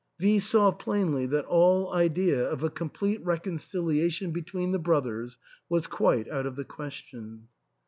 V saw plainly that all idea of a complete reconciliation between the brothers was quite out of the question.